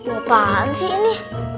apaan sih ini